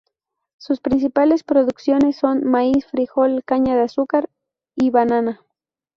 Sus principales producciones son: maíz, frijol, caña de azúcar y banana.